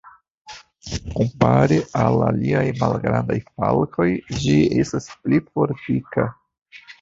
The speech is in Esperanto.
Kompare al aliaj malgrandaj falkoj, ĝi estas pli fortika.